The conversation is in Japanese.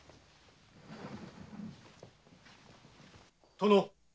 殿。